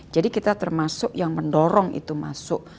jadi kita termasuk yang mendorong itu masuk